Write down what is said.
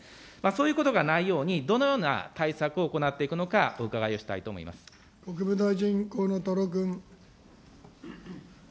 そういうことがないように、どのような対策を行っていくのか、お国務大臣、河野太郎君。